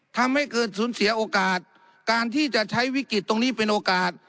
ทำให้เกิดสูญเสียโอกาสการที่จะใช้วิกฤตตรงนี้เป็นโอกาส